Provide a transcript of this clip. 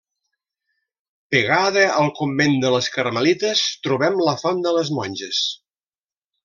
Pegada al convent de les carmelites trobem la font de les Monges.